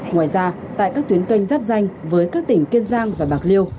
ngoài ra tại các tuyến canh giáp danh với các tỉnh kiên giang và bạc liêu